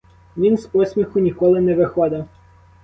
Він з посміху ніколи не виходив.